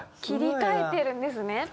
切り替えてるんですね。